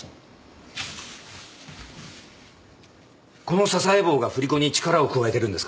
この支え棒が振り子に力を加えてるんですか？